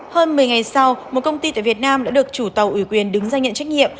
hơn một mươi ngày sau một công ty tại việt nam đã được chủ tàu ủy quyền đứng ra nhận trách nhiệm